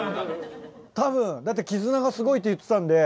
たぶんだって絆がすごいって言ってたんで。